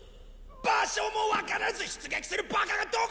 場所もわからず出撃するバカがどこにいる！